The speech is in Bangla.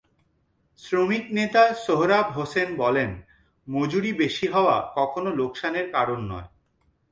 শ্রমিকনেতা সোহরাব হোসেন বলেন, মজুরি বেশি হওয়া কখনো লোকসানের কারণ নয়।